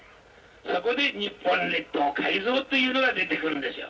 そこで日本列島改造というのが出てくるんですよ。